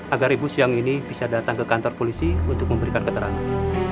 agar ibu siang ini bisa datang ke kantor polisi untuk memberikan keterangan